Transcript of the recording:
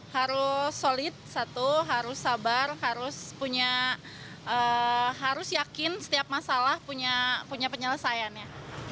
harus solid satu harus sabar harus punya harus yakin setiap masalah punya penyelesaiannya